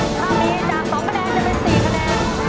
ถ้ามีจากสองแปดแดงจะเป็นสี่แปด